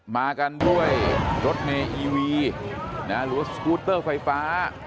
มากันด้วยรถเมย์อีวีหรือสกูตเตอร์ไฟฟ้า